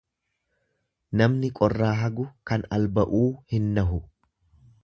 Namni qorraa hagu kan alba'uu hin nahu.